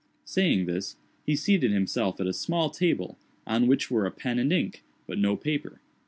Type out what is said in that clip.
Saying this, he seated himself at a small table, on which were a pen and ink, but no paper.